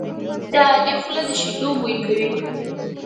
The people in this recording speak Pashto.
د علي خوله د شیدو بوی کوي.